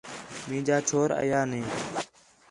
مینجا چھور اینا نے